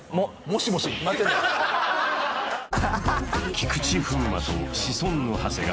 菊池風磨とシソンヌ長谷川